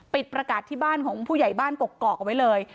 ประกาศที่บ้านของผู้ใหญ่บ้านกกอกเอาไว้เลย